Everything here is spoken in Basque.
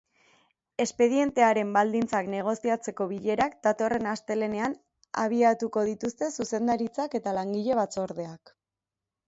Espedientearen baldintzak negoziatzeko bilerak datorren astelehenean abiatuko dituzte zuzendaritzak eta langile batzordeak.